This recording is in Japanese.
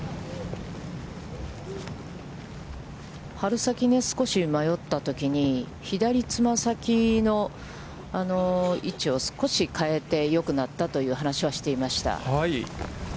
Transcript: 春先少し迷ったときに、左つま先の位置を少し変えて、よくなったという話をしていました。